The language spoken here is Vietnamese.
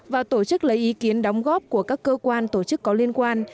và tổ chức lấy ý kiến đóng góp của các cơ quan tổ chức có liên quan